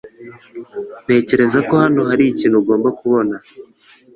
Ntekereza ko hano hari ikintu ugomba kubona.